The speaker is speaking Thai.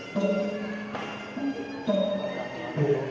สวัสดีครับทุกคน